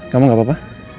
kamu gak papa